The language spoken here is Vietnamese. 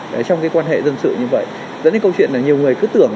trong quan hệ dân sự như vậy dẫn đến câu chuyện là nhiều người cứ tưởng